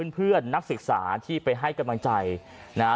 เพื่อนนักศึกษาที่ไปให้กำลังใจนะฮะ